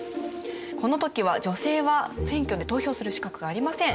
この時は女性は選挙に投票する資格がありません。